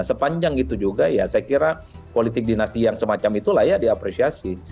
sepanjang itu juga ya saya kira politik dinasti yang semacam itu layak diapresiasi